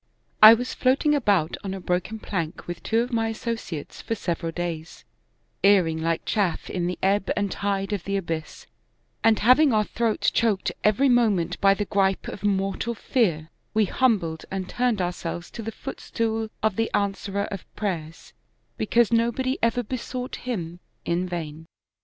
" I was floating about on a broken plank with two of my associates for several days, erring like chaff in the ebb and tide of the abyss, and having our throats choked every moment by the gripe of mortal fear; we humbled and turned ourselves to the footstool of the Answerer of prayers, because nobody ever besought Him in vain.